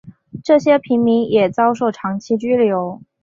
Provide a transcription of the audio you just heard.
这些平民也遭受长期拘留。